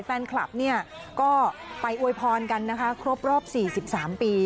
แฟนคลับเนี่ยก็ไปอวยพรกันนะคะครบรอบ๔๓ปี